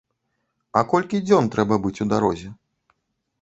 А колькі дзён трэба быць у дарозе?